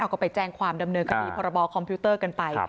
ก็ไปแจ้งความดำเนินคดีพรบคอมพิวเตอร์กันไป